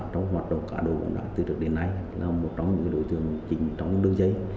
trong hoạt động các đối tượng từ trước đến nay là một trong những đối tượng chính trong đường dây